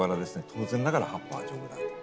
当然ながら葉っぱは丈夫だと。